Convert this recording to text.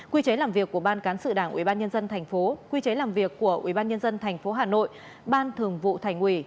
quy chế làm việc của ban cán sự đảng ubnd tp quy chế làm việc của ubnd tp hà nội ban thường vụ thành ủy